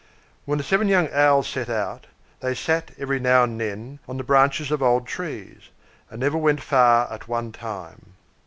When the seven young Owls set out, they sate every now and then on the branches of old trees, and never went far at one time.